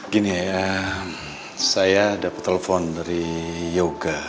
gini ya saya dapat telepon dari yoga